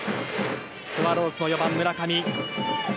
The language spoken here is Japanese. スワローズの４番、村上。